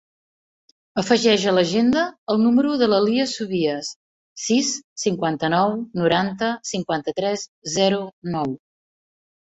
Afegeix a l'agenda el número de la Lia Subias: sis, cinquanta-nou, noranta, cinquanta-tres, zero, nou.